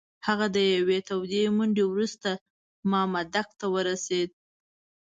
هغه د یوې تودې منډې وروسته مامدک ته ورسېد.